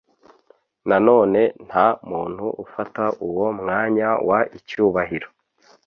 Nanone nta muntu ufata uwo mwanya w icyubahiro